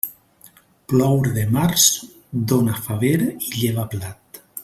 Ploure de març, dóna faver i lleva blat.